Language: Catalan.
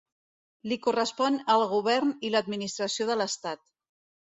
Li correspon el govern i l'administració de l'Estat.